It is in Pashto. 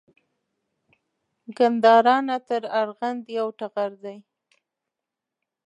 ګندارا نه تر ارغند یو ټغر دی